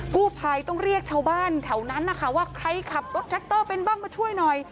กู้ภัยต้องเรียกชาวบ้านแถวนั้นนะคะว่าใครขับรถแท็กเตอร์เป็นบ้างมาช่วยหน่อย